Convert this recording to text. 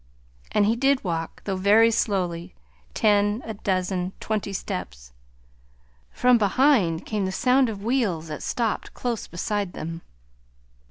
And he did walk, though very slowly, ten, a dozen, twenty steps. From behind came the sound of wheels that stopped close beside them.